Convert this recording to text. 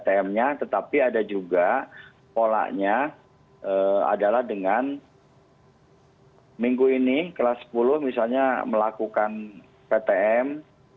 ptm nya tetapi ada juga polanya adalah dengan minggu ini kelas sepuluh misalnya melakukan ptm